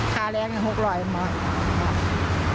ค่าแรงอยู่๖๐๐บาท